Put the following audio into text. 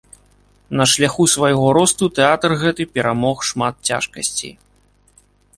На шляху свайго росту тэатр гэты перамог шмат цяжкасцей.